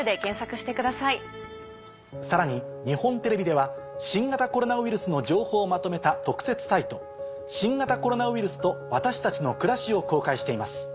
さらに日本テレビでは新型コロナウイルスの情報をまとめた。を公開しています。